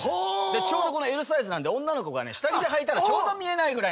ちょうどＬサイズなんで女の子が下着ではいたらちょうど見えないぐらいの。